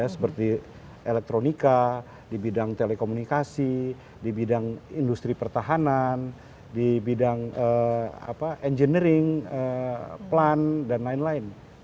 seperti elektronika di bidang telekomunikasi di bidang industri pertahanan di bidang engineering plan dan lain lain